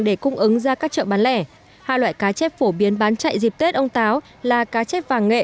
để cung ứng ra các chợ bán lẻ hai loại cá chép phổ biến bán chạy dịp tết ông táo là cá chép vàng nghệ